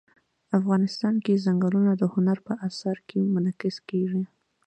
افغانستان کې ځنګلونه د هنر په اثار کې منعکس کېږي.